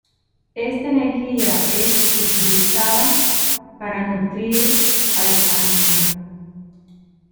Esta energía es utilizada para nutrir al animal.